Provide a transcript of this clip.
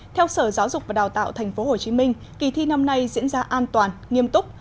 theo sở giáo dục và đào tạo tp hcm kỳ thi năm nay diễn ra an toàn nghiêm túc